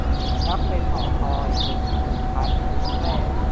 นับเป็นหอคอยชมทิวทัศน์ยุคแรก